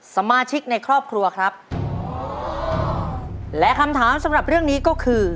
สมาชิกในครอบครัวครับและคำถามสำหรับเรื่องนี้ก็คือ